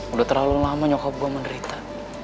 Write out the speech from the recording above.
udah terlalu lama nyokap gue menderita